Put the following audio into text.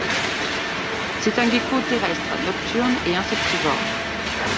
C'est un gecko terrestre, nocturne et insectivore.